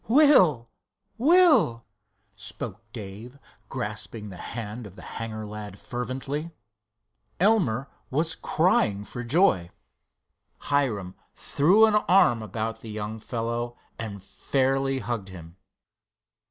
"Will! Will!" spoke Dave, grasping the hand of the hangar lad fervently. Elmer was crying for joy. Hiram threw an arm about the young fellow and fairly hugged him.